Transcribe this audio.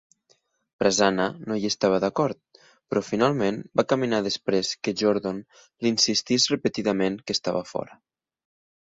Prasanna no hi estava d'acord, però finalment va caminar després que Jordon li insistís repetidament que estava fora.